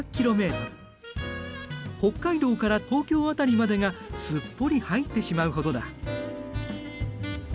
北海道から東京辺りまでがすっぽり入ってしまうほどだ。